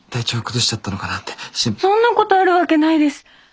そんなことあるわけないです！